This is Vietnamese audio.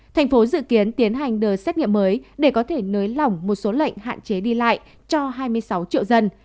thành phố dự kiến tiến hành đợt xét nghiệm mới để có thể nới lỏng một số lệnh hạn chế đi lại cho hai mươi sáu triệu dân